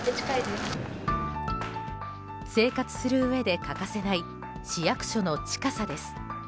生活するうえで欠かせない市役所の近さです。